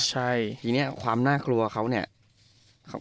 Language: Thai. ใช่ทีนี้ความน่ากลัวเขาเนี่ย